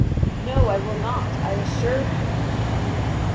"No, I will not, I assure thee."